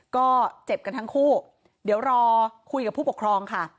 ก็เจ็บกันทั้งคู่เดี๋ยวรอคุยกับผู้ปกครองค่ะ